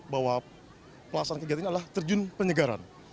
bahwa pelaksanaan kegiatan ini adalah terjun penyegaran